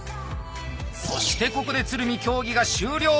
そしてここで鶴見競技が終了。